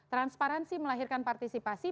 transparansi melahirkan partisipasi